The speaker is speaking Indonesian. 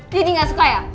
jadi gak suka ya